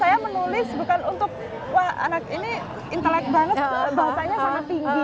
saya menulis bukan untuk wah anak ini intelek banget bahasanya sangat tinggi